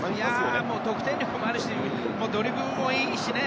得点力もあるしドリブルもいいしね。